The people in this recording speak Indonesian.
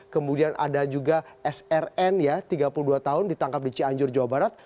kemudian ada juga srn ya tiga puluh dua tahun ditangkap di cianjur jawa barat